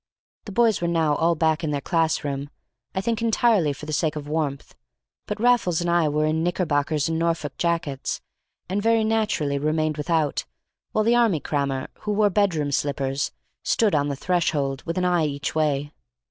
The boys were now all back in their class room, I think entirely for the sake of warmth; but Raffles and I were in knickerbockers and Norfolk jackets, and very naturally remained without, while the army crammer (who wore bedroom slippers) stood on the threshold, with an eye each way.